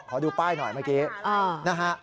ขอดูป้ายหน่อยเมื่อกี้นะฮะ